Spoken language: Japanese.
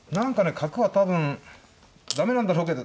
角は多分駄目なんだろうけど。